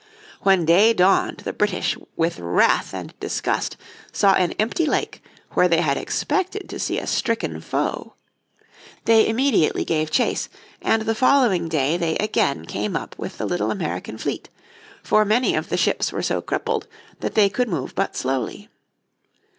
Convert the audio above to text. When day dawned the British with wrath and disgust saw an empty lake where they had expected to see a stricken foe. They immediately gave chase and the following day they again came up with the little American fleet, for many of the ships were so crippled that they could move but slowly.